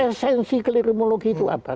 esensi kelirumologi itu apa